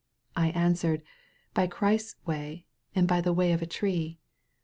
I an swered, *By Christ's way, by the way of a tree.